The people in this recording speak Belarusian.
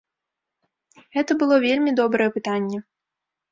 Гэта было вельмі добрае пытанне.